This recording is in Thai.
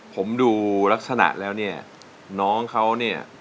ผมดูลักษณะแล้วเนี่ยน้องเขาเนี่ย